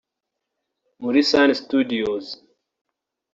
muri Sun Studios